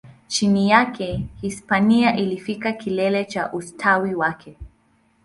Chini yake, Hispania ilifikia kilele cha ustawi wake.